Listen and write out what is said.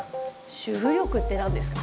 「主婦力って何ですか？」